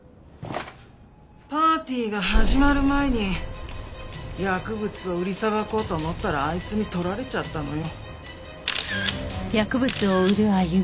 パーティーが始まる前に薬物を売りさばこうと思ったらあいつに撮られちゃったのよ。